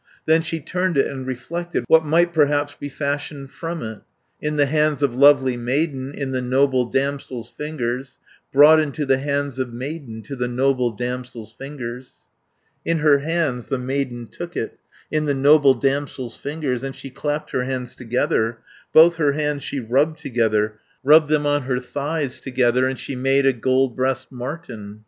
"Then she turned it and reflected, 'What might perhaps be fashioned from it, In the hands of lovely maiden, In the noble damsel's fingers, 270 Brought into the hands of maiden, To the noble damsel's fingers?' "In her hands the maiden took it In the noble damsel's fingers, And she clapped her hands together, Both her hands she rubbed together, Rubbed them on her thighs together, And she made a gold breast marten.